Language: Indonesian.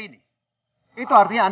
oh ya tuhan